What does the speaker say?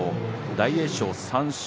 大栄翔の３勝。